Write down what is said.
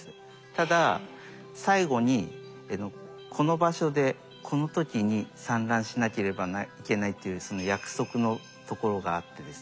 ただ最後にこの場所でこの時に産卵しなければいけないっていう約束の所があってですね。